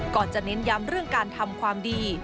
จะเน้นย้ำเรื่องการทำความดี